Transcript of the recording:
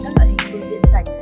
các loại hình dung điện sạch